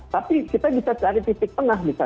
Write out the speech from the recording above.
tapi kita bisa cari titik tengah gitu